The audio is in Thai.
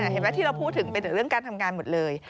เห็นไหมที่เราพูดถึงเป็นการทำงานหมดเลย